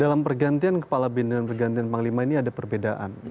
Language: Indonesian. dalam pergantian kepala bin dan pergantian panglima ini ada perbedaan